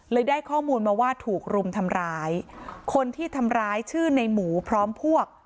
ได้ข้อมูลมาว่าถูกรุมทำร้ายคนที่ทำร้ายชื่อในหมูพร้อมพวก